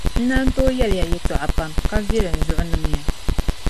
N naan tooi yɛli ya yɛtɔɣa pam, ka vili n zuɣu niŋ ya.